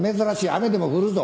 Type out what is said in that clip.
雨でも降るぞ。